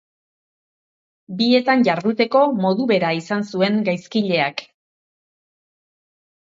Bietan jarduteko modu bera izan zuen gaizkileak.